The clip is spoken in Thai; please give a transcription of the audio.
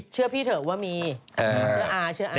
เชื่อพี่เถอะว่ามีเสื้ออาร์เชื่ออา